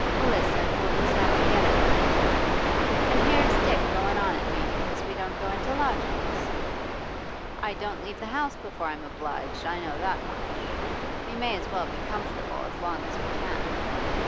Willis says they'll just have to get it if they can. And here's Dick going on at me because we don't go into lodgings! I don't leave the house before I'm obliged, I know that much. We may as well be comfortable as long as we can.